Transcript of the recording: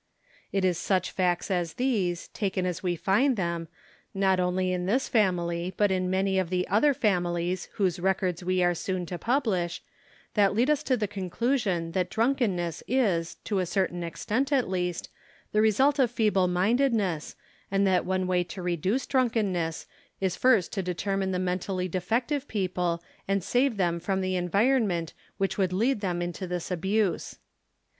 It is such facts as these, taken as we find them, not only in this family but in many of the other families whose records we are soon to publish, that lead us to 68 THE KALLIKAK FAMILY the conclusion that drunkenness is, to a certain extent at least, the result of feeble mindedness and that one way to reduce drunkenness is first to determine the mentally defective people, and save them from the environment which would lead them into this abuse.